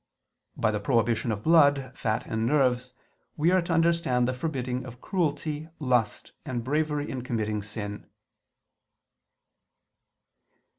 By the prohibition of blood, fat and nerves, we are to understand the forbidding of cruelty, lust, and bravery in committing sin.